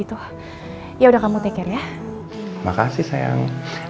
terima kasih sayang